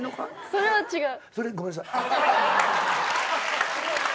それは違う。